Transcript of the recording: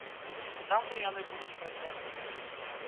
Заўтра яны будуць працягнутыя.